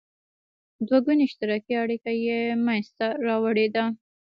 دوه ګوني اشتراکي اړیکه یې مینځته راوړې ده.